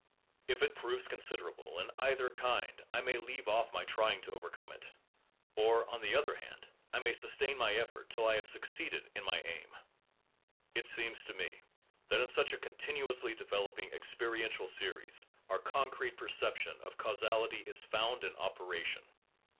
If it proves considerable in either kind I may leave off try ing to overcome it; or, on the other hand, I may sustain my effort till I have succeeded in my aim. It seems to me that in such a continuously developing experiential series our concrete perception of causality is found in operation.